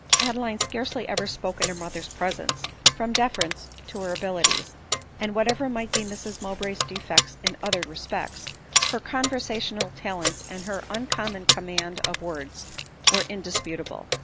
Adeline scarcely ever spoke in her mother's presence, from de ference to her abilities ; and whatever might be Mrs Mow bray's defects in other respects, her conversational talents, and her uncommon command of words were indisputable.